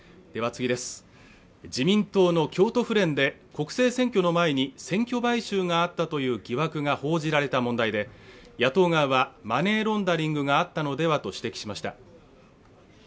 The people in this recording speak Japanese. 自民党の京都府連で国政選挙の前に選挙買収があったという疑惑が報じられた問題で野党側はマネーロンダリングがあったのではと指摘しました。